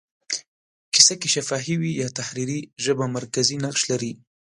کیسه که شفاهي وي یا تحریري، ژبه مرکزي نقش لري.